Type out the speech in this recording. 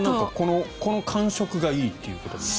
この感触がいいということですか。